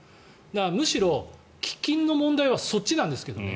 むしろ喫緊の問題はそっちなんですけどね。